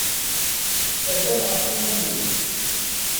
Terram ɣef yiman-nwen.